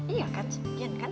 iya kan sebagian kan